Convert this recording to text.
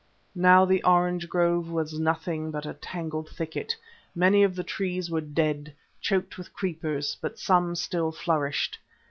Now the orange grove was nothing but a tangled thicket; many of the trees were dead, choked with creepers, but some still flourished.